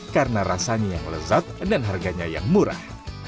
karena rasanya yang lezat dan harganya yang murah